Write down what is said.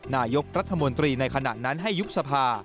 นายกรัฐมนตรีในขณะนั้นให้ยุบสภา